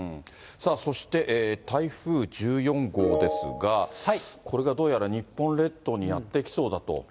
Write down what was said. そして、台風１４号ですが、これがどうやら日本列島にやって来そうだと。